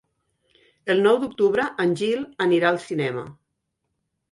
El nou d'octubre en Gil anirà al cinema.